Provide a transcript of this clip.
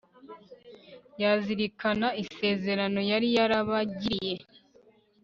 yazirikana isezerano yari yarabagiriye